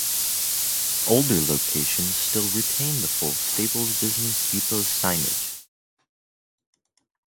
Older locations still retain the full Staples Business Depot signage.